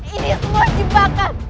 ini semua jebakan